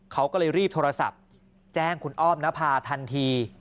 เขาก็เลยรีบโทรศัพท์แจ้งคุณอ้อมนภาทันที